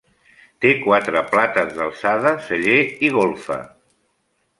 Té quatre plates d'alçada, celler i golfa.